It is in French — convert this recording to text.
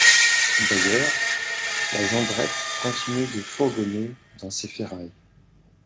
D'ailleurs la Jondrette continuait de fourgonner dans ses ferrailles.